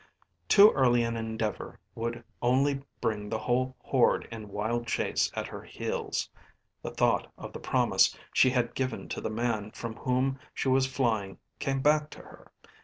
Too early an endeavour would only bring the whole horde in wild chase at her heels. The thought of the promise she had given to the man from whom she was flying came back to her.